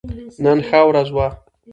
نن ښه ورځ وه